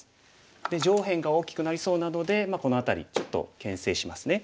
で上辺が大きくなりそうなのでこの辺りちょっとけん制しますね。